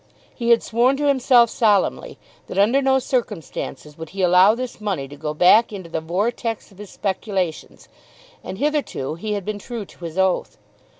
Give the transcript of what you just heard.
He had sworn to himself solemnly that under no circumstances would he allow this money to go back into the vortex of his speculations, and hitherto he had been true to his oath.